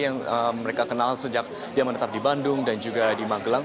yang mereka kenal sejak dia menetap di bandung dan juga di magelang